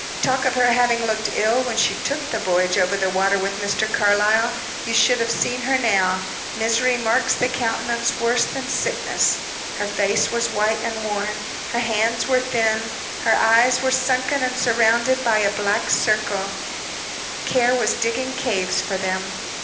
Talk of her having looked ill when she took that voyage over the water with Mr. Carlyle; you should have seen her now misery marks the countenance worse than sickness. Her face was white and worn, her hands were thin, her eyes were sunken and surrounded by a black circle care was digging caves for them.